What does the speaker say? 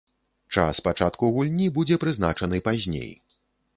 Час пачатку гульні будзе прызначаны пазней.